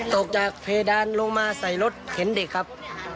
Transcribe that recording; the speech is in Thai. ตกจากเพดานลงมาใส่รถเข็นเด็กครับ